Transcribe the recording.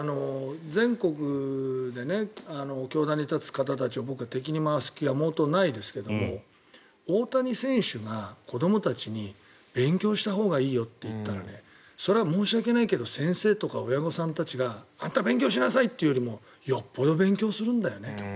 全国で教壇に立つ方たちを僕は敵に回す気は毛頭ないですけど大谷選手が子どもたちに勉強したほうがいいよと言ったらそれは申し訳ないけど先生とか親御さんたちがあんた、勉強しなさい！って言うよりもよっぽど勉強するんだよね。